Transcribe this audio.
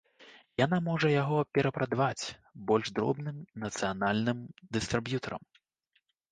Яна можа яго перапрадаваць больш дробным нацыянальным дыстрыб'ютарам.